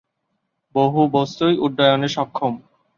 বহু বস্তুই উড্ডয়নে সক্ষম।